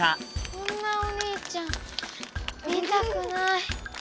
こんなお兄ちゃん見たくない。